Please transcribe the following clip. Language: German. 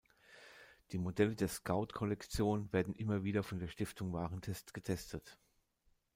Die Modelle der Scout-Kollektion werden immer wieder von der Stiftung Warentest getestet.